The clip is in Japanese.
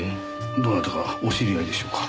どなたかお知り合いでしょうか？